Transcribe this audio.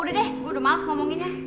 udah deh gue udah males ngomongin ya